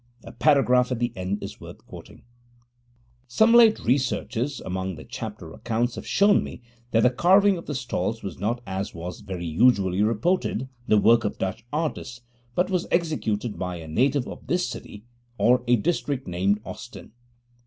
A paragraph at the end is worth quoting: 'Some late researches among the Chapter accounts have shown me that the carving of the stalls was not, as was very usually reported, the work of Dutch artists, but was executed by a native of this city or district named Austin.